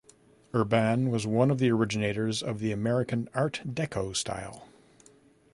Urban was one of the originators of the American Art Deco style.